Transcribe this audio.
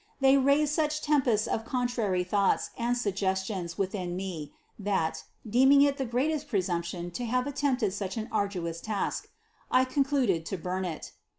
They raised such tempests of contrary thoughts and suggestions with in me, that, deeming it the greatest presumption to have attempted such an arduous task, I concluded to burn it.